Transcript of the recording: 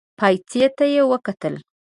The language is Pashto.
پايڅې ته يې وکتل.